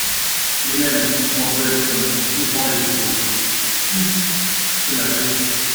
Les Mêmes, moins Paulette John, haussant les épaules. — Isse !… ce navet !…